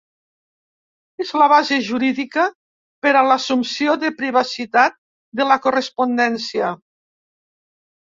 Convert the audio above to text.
És la base jurídica per a l'assumpció de privacitat de la correspondència.